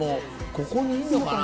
「ここにいんのかな？